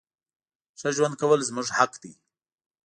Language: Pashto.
ښه ژوند کول زمونږ حق ده.